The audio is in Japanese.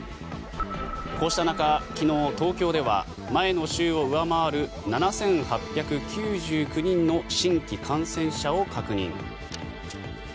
こうした中、昨日東京では前の週を上回る７８９９人の新規感染者を確認。